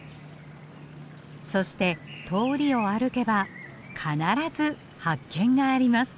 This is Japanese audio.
そして通りを歩けば必ず発見があります。